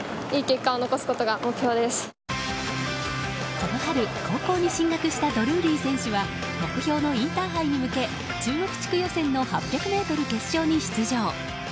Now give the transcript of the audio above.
この春、高校に進学したドルーリー選手は目標のインターハイに向け中国地区予選の８００ｍ決勝に出場。